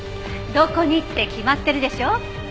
「どこに？」って決まってるでしょ。